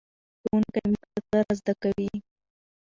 ښوونکی موږ ته څه را زده کوي؟